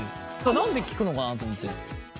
なんで聞くのかなと思って。